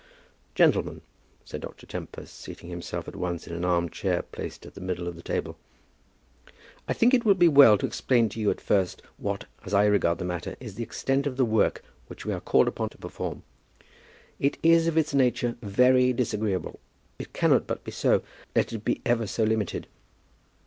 "Gentlemen," said Dr. Tempest, seating himself at once in an arm chair placed at the middle of the table, "I think it will be well to explain to you at first what, as I regard the matter, is the extent of the work which we are called upon to perform. It is of its nature very disagreeable. It cannot but be so, let it be ever so limited.